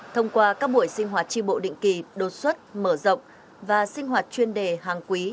thông qua các buổi sinh hoạt tri bộ định kỳ đột xuất mở rộng và sinh hoạt chuyên đề hàng quý